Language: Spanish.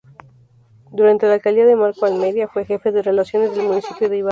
Durante la alcaldía de Marco Almeida fue jefe de relaciones del municipio de Ibarra.